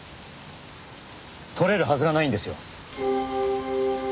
撮れるはずがないんですよ。